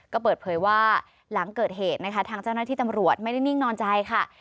ก็เปิดเผยว่าหลังเกิดเหตุนะคะทางเจ้าหน้าที่ตำรวจไม่ได้นิ่งนอนใจค่ะ